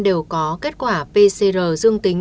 đều có kết quả pcr dương tính